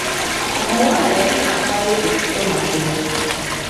Omuwala yali afaayo ku kusoma kwe.